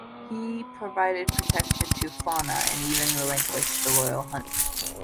He provided protection to fauna and even relinquished the royal hunt.